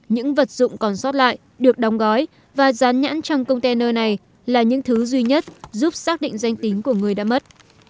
những vật dụng còn sót lại được đóng gói và dán nhãn trong container này là những thứ duy nhất giúp xác định danh tính của người đã mất